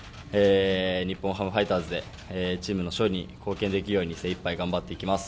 日本ハムファイターズでチームの勝利に貢献できるように精いっぱい頑張っていきます。